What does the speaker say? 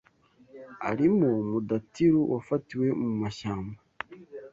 arimo Mudatiru wafatiwe mu mashyamba